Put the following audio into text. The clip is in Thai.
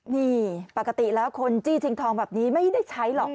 นี่ปกติแล้วคนจี้ชิงทองแบบนี้ไม่ได้ใช้หรอก